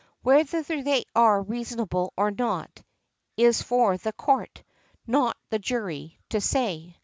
Whether they are reasonable or not, is for the Court, not the jury, to say.